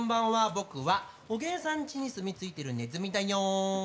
僕はおげんさんちに住み着いてるねずみだよん！